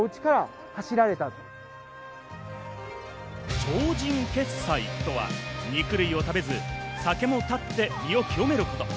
精進潔斎とは肉類を食べず、酒も断って身を清めること。